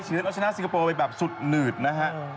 ชีวิตต้องชนะสิงคโปร์ไปแบบสุดหนืดนะฮะ